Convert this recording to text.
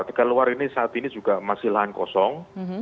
tegal luar ini saat ini juga masih lahan kosong